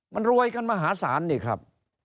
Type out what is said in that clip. มันรวยกันมหาศาลนี่ครับ